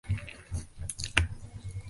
No tuvieron prole.